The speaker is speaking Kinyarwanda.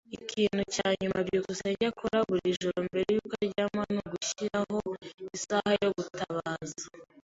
Ikintu cya nyuma byukusenge akora buri joro mbere yo kuryama ni ugushiraho isaha yo gutabaza.